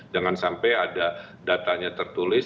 jangan sampai ada datanya tertulis